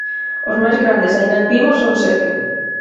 Os máis grandes aínda activos son sete.